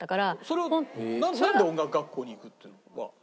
それはなんで音楽学校に行くっていうのが？